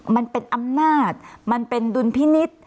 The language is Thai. มันเป็นอำนาจมันเป็นดุลพินิษฐ์